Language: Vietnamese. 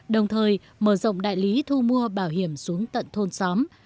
đồng thời mở rộng đại lý thu mua bảo hiểm xuống tận thôn xóm